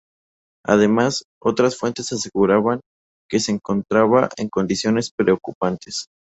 Además, otras fuentes aseguraban que se encontraba en condiciones preocupantes.